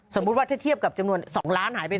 สมมุติว่าถ้าเทียบกับจำนวน๒ล้านหายไป